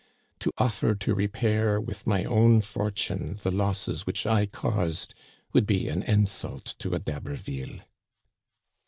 To offer to repair with my own fortune the losses which I caused would be an insult to a D'Haberville."